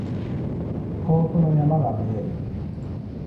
遠くの山が見える。